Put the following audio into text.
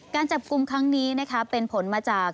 การจับกลุ่มครั้งนี้นะคะเป็นผลมาจาก